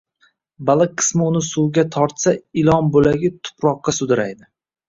Baliq qismi uni suvga tortsa, ilon bo‘lagi tuproqqa sudraydi